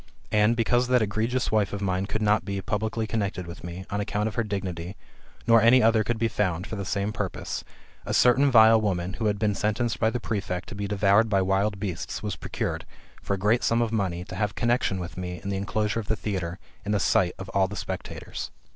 And, because that ^regions wife of mine could not be [publicly connected with mej, on account of her dignity, nor any other could be found, [for the same purpose], a certain vile woman, who had been sentenced by the prefect to be devoured by wild beasts, was procured, for a great sura of money, to have con nexion with me in the enclosure of the theatre, in the sight of all the spectators.